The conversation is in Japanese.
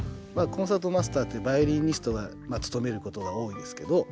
コンサートマスターってバイオリニストが務めることが多いですけど